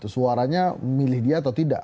suaranya milih dia atau tidak